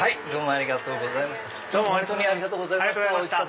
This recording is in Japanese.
ありがとうございます。